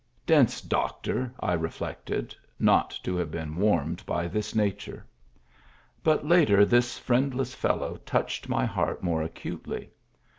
Dense doctor ! I reflected, not to have been warmed by this nature. But later this friendless fellow touched my heart more acutely.